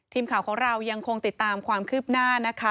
ทีมข่าวของเรายังคงติดตามความคืบหน้านะคะ